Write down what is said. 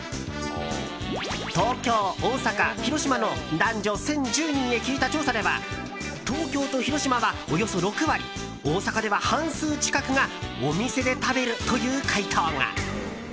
東京、大阪、広島の男女１０１０人へ聞いた調査では東京と広島は、およそ６割大阪では半数近くがお店で食べるという回答が。